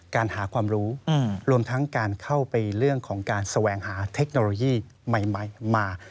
การหาความรู้รวมทั้งการเข้าไปเรื่องของการแสวงหาเทคโนโลยีใหม่มา